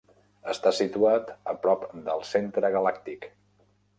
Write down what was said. Està situat a prop del Centre Galàctic.